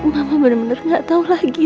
mama bener bener gak tahu lagi